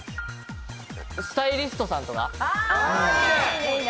スタイリストさんとか？